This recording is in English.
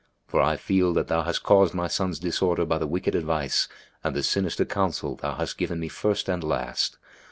for I feel that thou hast caused my son's disorder by the wicked advice and the sinister counsel thou hast given me first and last.